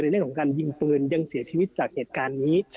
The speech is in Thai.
เรื่องของการยิงปืนยังเสียชีวิตจากเหตุการณ์นี้